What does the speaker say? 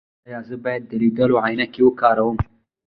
ایا زه باید د لیدلو عینکې وکاروم؟